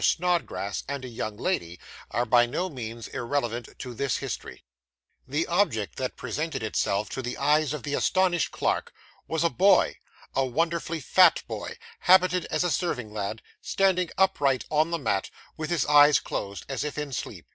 SNODGRASS AND A YOUNG LADY ARE BY NO MEANS IRRELEVANT TO THIS HISTORY The object that presented itself to the eyes of the astonished clerk, was a boy a wonderfully fat boy habited as a serving lad, standing upright on the mat, with his eyes closed as if in sleep.